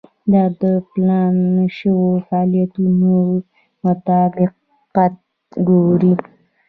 دا د پلان شوو فعالیتونو مطابقت ګوري.